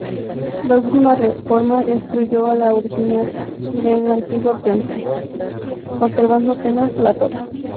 La última reforma destruyó la forma original del antiguo templo, conservando apenas la torre.